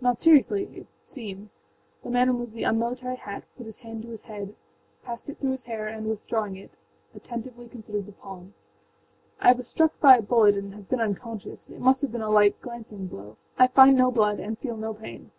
âNot seriouslyâit seems.â The man removed the unmilitary hat, put his hand to his head, passed it through his hair and, withdrawing it, attentively considered the palm. âI was struck by a bullet and have been unconscious. It must have been a light, glancing blow: I find no blood and feel no pain.